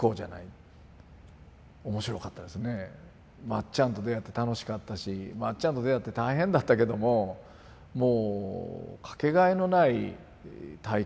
まっちゃんと出会って楽しかったしまっちゃんと出会って大変だったけどももう掛けがえのない体験をしたですね。